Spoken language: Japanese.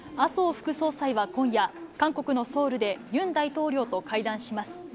副総裁は今夜、韓国のソウルでユン大統領と会談します。